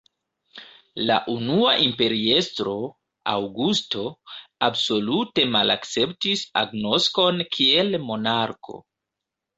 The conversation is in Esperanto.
La unua imperiestro, Aŭgusto, absolute malakceptis agnoskon kiel monarko.